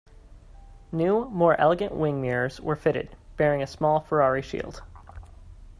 New, more elegant wing mirrors were fitted, bearing a small Ferrari shield.